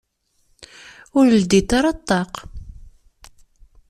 Ur leddit ara ṭṭaq.